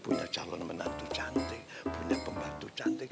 bini cantik punya calon menantu cantik punya pembantu cantik